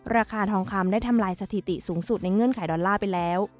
ราคาทองคำได้ทำลายสถิติสูงสุดในเงื่อนไขดอลลาร์ไปแล้ว